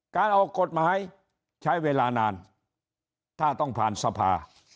การออกกฎหมายใช้เวลานานถ้าต้องผ่านสภา